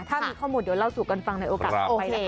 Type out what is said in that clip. ถ้ามีข้อมูลเราก็ลองสูบกันฟังสักที